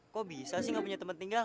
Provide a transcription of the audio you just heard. kok bisa sih gak punya tempat tinggal